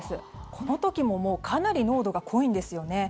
この時もかなり濃度が濃いんですよね。